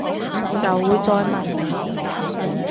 就會再問你